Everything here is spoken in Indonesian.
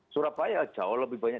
surabaya jauh lebih banyak